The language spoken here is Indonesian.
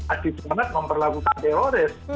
adik banget memperlakukan teroris